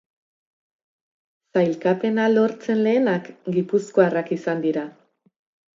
Sailkapena lortzen lehenak gipuzkoarrak izan dira.